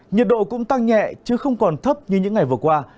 nhiệt độ cũng tăng nhẹ chứ không còn thấp như những ngày vừa qua